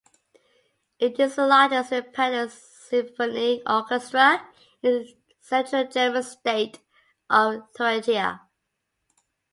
It is the largest independent symphony orchestra in the central German state of Thuringia.